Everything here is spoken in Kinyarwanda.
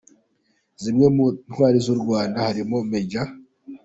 Zimwe mu ntwari z’u Rwanda harimo Maj.